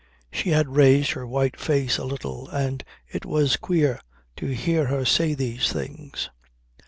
She had raised her white face a little, and it was queer to hear her say these things.